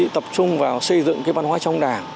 tập trung vào xây dựng văn hóa trong đảng